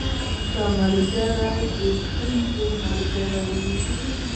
• ښه ملګری د ستونزو ملګری وي.